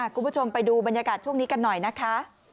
คุณผู้ชมไปดูบรรยากาศช่วงนี้กันหน่อยนะคะ